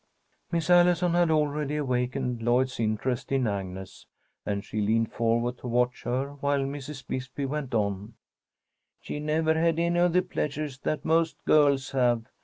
Miss Allison had already awakened Lloyd's interest in Agnes, and she leaned forward to watch her, while Mrs. Bisbee went on. "She's never had any of the pleasures that most girls have.